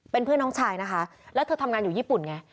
เป็นเพื่อนน้องชายนะคะแล้วเธอทำงานอยู่ญี่ปุ่นไง